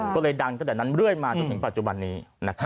ก็เลยดังตั้งแต่นั้นเรื่อยมาจนถึงปัจจุบันนี้